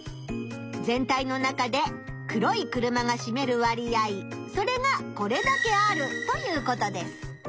全体の中で黒い車がしめる割合それがこれだけあるということです。